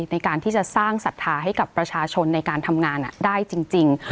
ในการที่จะสร้างศรัทธาให้กับประชาชนในการทำงานได้จริง